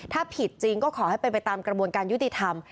ถ้าผิดจริงก็ขอให้เป็นไปตามกระบวนการยุติธรรม